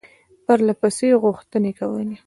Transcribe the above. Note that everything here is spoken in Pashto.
پرله پسې غوښتني کولې.